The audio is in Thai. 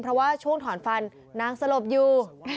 เพราะว่าช่วงถอนฟันนางสลบอยู่